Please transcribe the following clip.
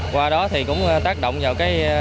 qua đó thì cũng tác động vào